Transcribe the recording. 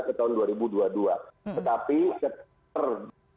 sebenarnya kita sudah melakukan pembahasan ruu pdt